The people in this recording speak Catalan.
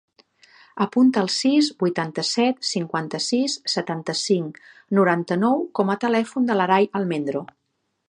Apunta el sis, vuitanta-set, cinquanta-sis, setanta-cinc, noranta-nou com a telèfon de l'Aray Almendro.